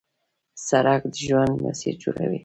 سړک د ژوند مسیر جوړوي.